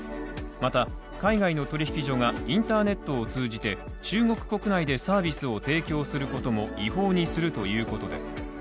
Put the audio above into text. また、海外の取引所がインターネットを通じて中国国内でサービスを提供することも違法にするということです。